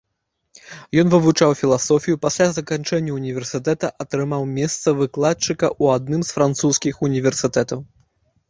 Ён вывучаў філасофію, пасля заканчэння ўніверсітэта атрымаў месца выкладчыка ў адным з французскіх універсітэтаў.